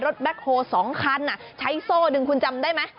แบ็คโฮ๒คันใช้โซ่ดึงคุณจำได้ไหม